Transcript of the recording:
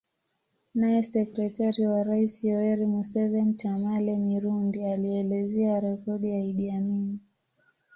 Naye sekretari wa rais Yoweri Museveni Tamale Mirundi alielezea rekodi ya Idi Amin